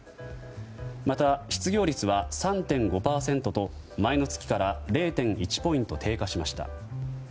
また、失業率は３．５％と前の月から０．１ポイント低下しました。